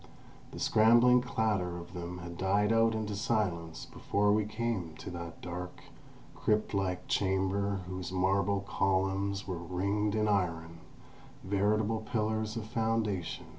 The scrambling clatter of them had died out into silence before we came to that dark, crypt like chamber whose marble columns were ringed in iron, veritable pillars of foundation.